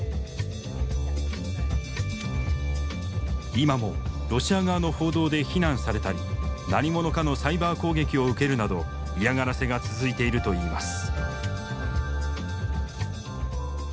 今もロシア側の報道で非難されたり何者かのサイバー攻撃を受けるなど嫌がらせが続いているといいます。